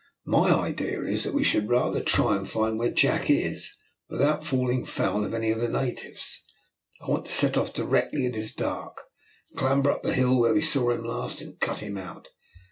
My idea is that we should rather try and find where Jack is, without falling foul of any of the natives. I want to set off directly it is dark, clamber up the hill where we saw him last, and cut him out.